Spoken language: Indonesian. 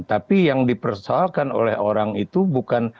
tapi yang dipersoalkan oleh orang itu bukan